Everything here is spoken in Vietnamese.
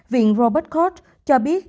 viện robert court cho biết